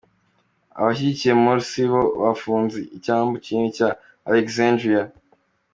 Abashyigikiye Morsi bo bafunze icyambu kinini cya Alegisandiriya.